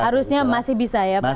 harusnya masih bisa ya